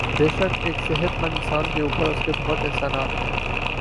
بیشک ایک صحت مند اانسان کے اوپر اسکے بہت احسانات ہیں